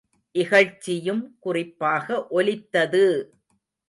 இகழ்ச்சியும் குறிப்பாக ஒலித்தது!